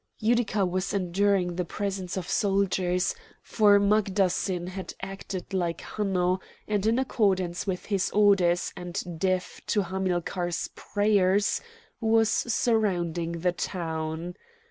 Utica was enduring the presence of soldiers, for Magdassin had acted like Hanno, and in accordance with his orders and deaf to Hamilcar's prayers, was surrounding the town.